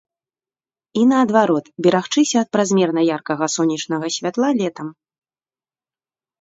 І наадварот, берагчыся ад празмерна яркага сонечнага святла летам.